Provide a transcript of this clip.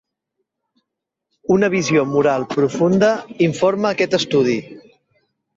Una visió moral profunda informa aquest estudi.